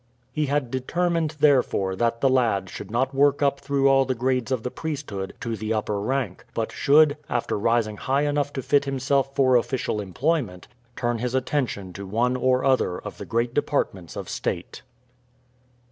He had determined, therefore, that the lad should not work up through all the grades of the priesthood to the upper rank, but should, after rising high enough to fit himself for official employment, turn his attention to one or other of the great departments of state.